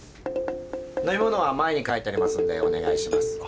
飲み物は前に書いてありますんでお願いします。